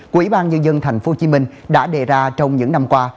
của ủy ban nhân dân tp hcm đã đề ra trong những năm qua